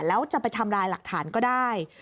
แล้วจะไปทำลายหลักฐานก็ได้